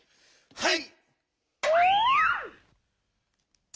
はい！